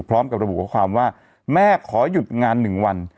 พร้อมกับระบุข้อความว่าแม่ขอหยุดงาน๑วัน